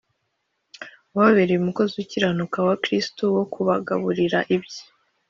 wababereye umukozi ukiranuka wa Kristo wo kubagaburira ibye